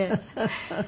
フフフフ。